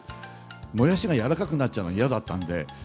もやしがやわらかくなっちゃうの嫌だったんで。